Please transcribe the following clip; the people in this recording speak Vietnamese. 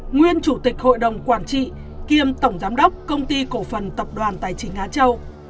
nguyên chủ tịch hội đồng quản trị kiêm tổng giám đốc công ty cổ phần tập đoàn tài chính á châu